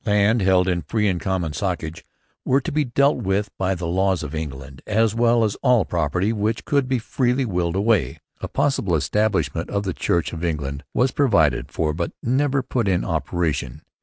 Lands held 'in free and common socage' were to be dealt with by the laws of England, as was all property which could be freely willed away. A possible establishment of the Church of England was provided for but never put in operation.